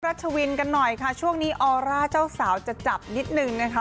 ชวินกันหน่อยค่ะช่วงนี้ออร่าเจ้าสาวจะจับนิดนึงนะคะ